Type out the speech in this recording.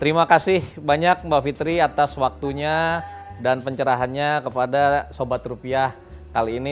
terima kasih banyak mbak fitri atas waktunya dan pencerahannya kepada sobat rupiah kali ini